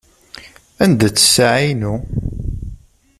Anda-tt ssaεa-inu?